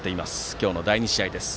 今日の第２試合です。